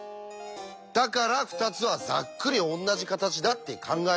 だから２つはざっくりおんなじ形だって考えるんです。